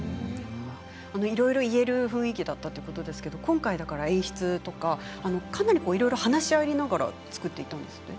いろいろ言える雰囲気だったということですけど今回、演出とかかなりいろいろ話し合いながら作っていったんですね。